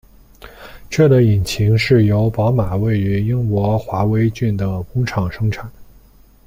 这个引擎是由宝马位于英国华威郡的工厂生产。